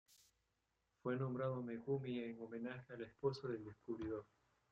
Fue nombrado Megumi en homenaje a la esposa del descubridor.